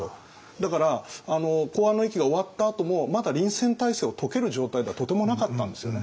だから弘安の役が終わったあともまだ臨戦体制を解ける状態ではとてもなかったんですよね。